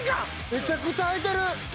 めちゃくちゃ空いてる。